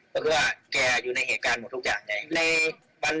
ก็คือว่าแกอยู่ในเหตุการณ์หมดทุกอย่าง